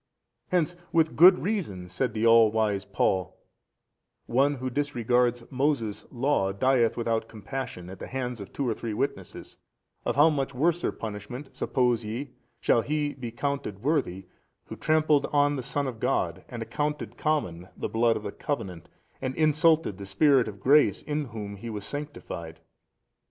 Hence, with good reason, said the all wise Paul, One who disregards Moses' law dieth without compassion at the hands of two or three witnesses: of how much worser punishment, suppose ye, shall be be accounted worthy who trampled on the Son of God and accounted common the blood of the covenant and insulted the Spirit of grace in Whom he was sanctified 59?